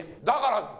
だから！